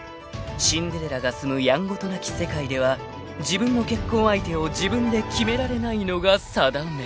［シンデレラが住むやんごとなき世界では自分の結婚相手を自分で決められないのが定め］